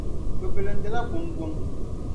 Bɛ bilindi la guŋguŋ.